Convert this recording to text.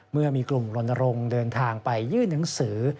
เมื่อมีกลุ่มลนรงค์เดินทางไปยื่นหนังสือ